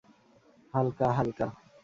হালকা, হালকা।